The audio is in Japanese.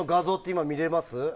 今、見れます。